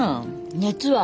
熱は？